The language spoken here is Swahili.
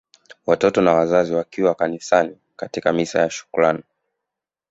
Watoto na Wazazi wakiwa kanisani katika misa ya shukrani